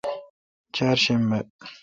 چارشنبہ